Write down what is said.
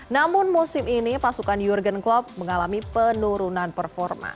namun musim ini pasukan jurgen klopp mengalami penurunan performa